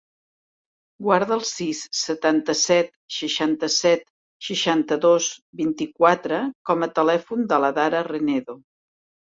Guarda el sis, setanta-set, seixanta-set, seixanta-dos, vint-i-quatre com a telèfon de l'Adara Renedo.